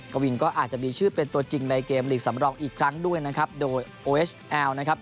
กวินก็อาจจะมีชื่อเป็นตัวจริงในเกมลีกสำรองอีกครั้งด้วยนะครับโดยโอเอสแอลนะครับ